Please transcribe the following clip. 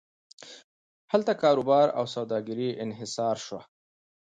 هلته کاروبار او سوداګري انحصار شوه.